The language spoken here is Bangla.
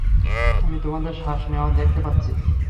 আমি তোমাদের শ্বাস নেয়া দেখতে পাচ্ছি।